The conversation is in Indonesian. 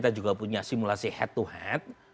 dan juga punya simulasi head to head